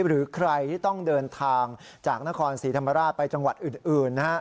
หรือใครที่ต้องเดินทางจากนครศรีธรรมราชไปจังหวัดอื่นนะฮะ